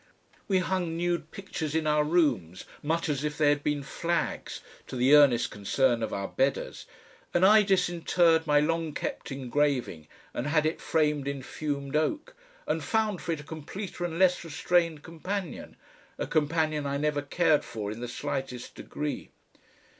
We hung nude pictures in our rooms much as if they had been flags, to the earnest concern of our bedders, and I disinterred my long kept engraving and had it framed in fumed oak, and found for it a completer and less restrained companion, a companion I never cared for in the slightest degree....